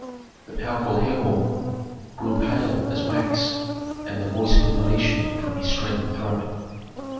The powerful Herhor grew pale as wax, and the voice could not issue from his straitened throat.